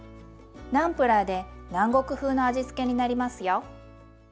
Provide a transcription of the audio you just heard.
ナンプラーで南国風の味付けになりますよ。